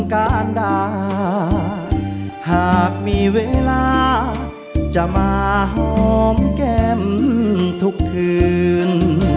การด่าหากมีเวลาจะมาหอมแก้มทุกคืน